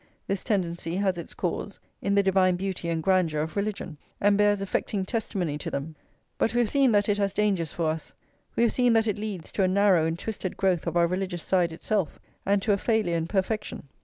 This tendency has its cause in the divine beauty and grandeur of religion, and bears affecting testimony to them; but we have seen that it has dangers for us, we have seen that it leads to a narrow and twisted growth of our religious side itself, and to a failure in perfection.